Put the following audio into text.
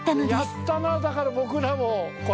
やったなあだから僕らもこれ。